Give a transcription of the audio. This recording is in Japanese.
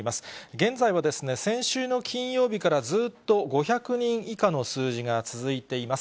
現在は先週の金曜日からずーっと５００人以下の数字が続いています。